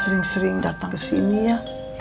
sering sering datang ke sini ya